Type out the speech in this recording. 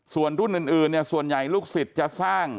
ส่วนรุ่นอื่นเนี่ยส่วนใหญ่ลูกศิษย์จะสร้าง